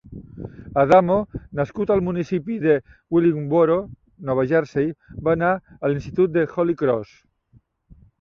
Adamo, nascut al municipi de Willingboro, Nova Jersey, va anar a l'institut de Holy Cross.